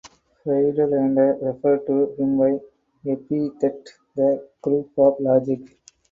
Friedlaender referred to him by epithet the "Krupp of logic".